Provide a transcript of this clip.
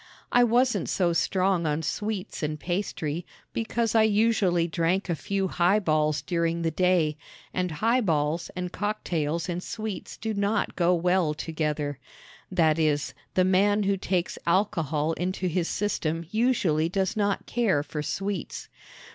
I wasn't so strong on sweets and pastry, because I usually drank a few highballs during the day, and highballs and cocktails and sweets do not go well together that is, the man who takes alcohol into his system usually does not care for sweets.